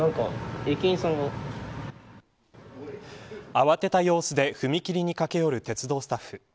慌てた様子で踏切に駆け寄る鉄道スタッフ。